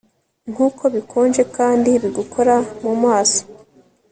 nkuko bikonje kandi bigukora mu maso